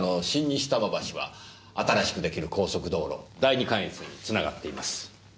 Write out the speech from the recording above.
西多摩橋は新しく出来る高速道路第二関越に繋がっています。